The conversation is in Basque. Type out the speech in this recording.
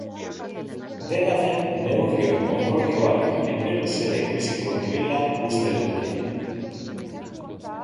Dena den, neurrion ondorioak epe luzera ikusiko direla uste dute.